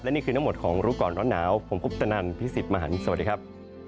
และนี่คือนักหมดของรู้ก่อนร้อนหนาวผมกุ๊บตนันพี่สิทธิ์มหาวิทยาลัยสวัสดีครับ